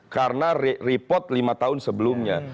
karena repot lima tahun sebelumnya